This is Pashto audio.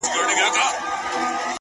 بيا يوازيتوب دی بيا هغه راغلې نه ده’